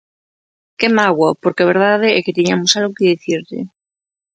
¡Que mágoa!, porque a verdade é que tiñamos algo que dicirlle.